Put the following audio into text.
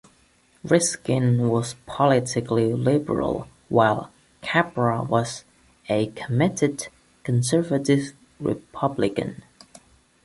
Riskin was politically liberal, while Capra was a committed, conservative Republican.